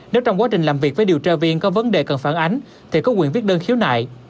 nếu trong quá trình làm việc với điều tra viên có vấn đề cần phản ánh thì có quyền viết đơn khiếu nại